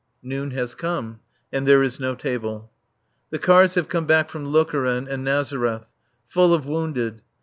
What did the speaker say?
Noon has come; and there is no table. The cars have come back from Lokeren and Nazareth, full of wounded.